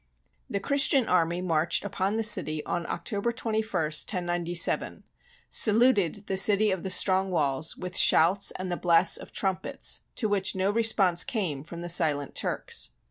The Christian army marched upon the city on October 21, 1097, saluted the City of the Strong Walls with shouts and the blasts of trumpets, to which no response came from the silent Turks.